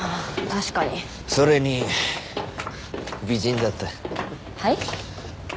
確かにそれに美人だったはい？